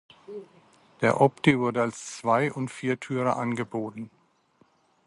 Der Opti wurde als Zwei- und Viertürer angeboten.